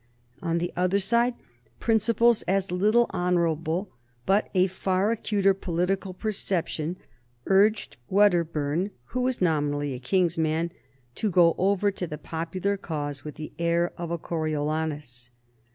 On the other side principles as little honorable but a far acuter political perception urged Wedderburn, who was nominally a King's man, to go over to the popular cause with the air of a Coriolanus.